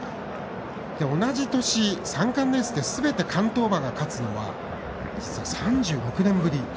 同じ年、三冠レースですべて関東馬が勝つのは実は３６年ぶり。